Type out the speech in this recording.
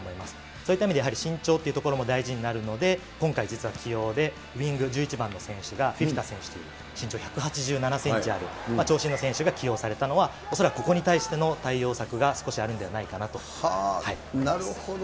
そういった意味でやはり身長というところも大事になるので、今回実は起用で、ウイング１１番選手がフィフィタ選手という身長１８７センチある長身の選手が起用されたのは、恐らくここに対しての対応策が少なるほど。